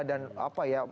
dan apa ya